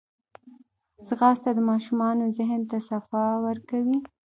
ځغاسته د ماشومانو ذهن ته صفا ورکوي